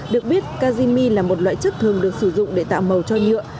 được biết kazimi là một loại chất thường được sử dụng để tạo màu cho nhựa